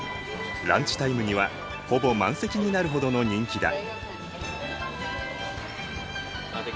ランチタイムにはほぼ満席になるほどの人気だ。